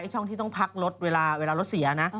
ช่องที่ต้องพักรถเวลารถเสียนะ